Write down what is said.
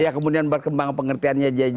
kemudian berkembang pengertiannya